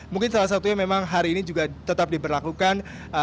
mungkin salah satunya memang hari ini juga tetap diberlakukan